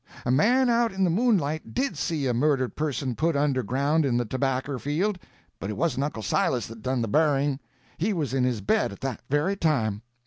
"A man out in the moonlight did see a murdered person put under ground in the tobacker field—but it wasn't Uncle Silas that done the burying. He was in his bed at that very time.